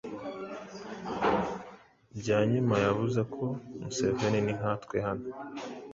Byanyima yavuze ko “Museveni ni nkatwe hano.